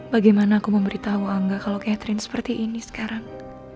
bagaimana aku memberitahu angga kalau catherine seperti ini sekarang